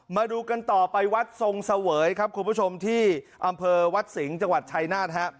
มาดูกันต่อไปวัดทรงเสวยครับคุณผู้ชมที่อำเภอวัดสิงห์จังหวัดชายนาฏฮะ